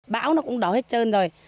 bão nó cũng đó hết trơn rồi